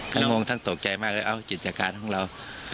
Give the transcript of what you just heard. ทั้งงงทั้งตกใจมากเลยเอ้าจิตรการของเรา